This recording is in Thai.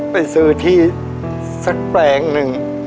ไปซื้อที่สักแปลงหนึ่ง